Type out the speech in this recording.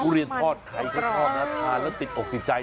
ทุเรียนทอดใครใครชอบแล้วขาดแล้วติดออกในใจ